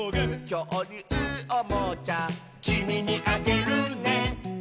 「きょうりゅうおもちゃ」「きみにあげるね」